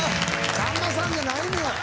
「さんまさん」じゃないのよ。